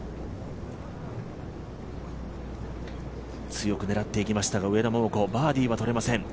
強く狙っていきましたが上田桃子、バーディーはとれません。